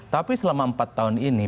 tapi selama empat tahun ini